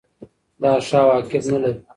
دا ښه عواقب نلري.